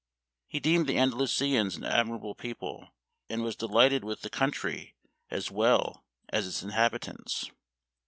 He deemed the Andalusians an admirable people, and was delighted with the country as well as its inhabitants.